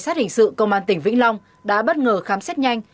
sát hình sự công an tỉnh vĩnh long đã bất ngờ khám xét nhanh